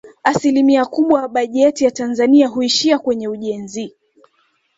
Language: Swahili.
Asilimia kubwa ya bajeti ya Tanzania huishia kwenye ujenzi